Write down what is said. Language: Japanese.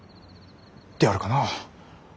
であるかな。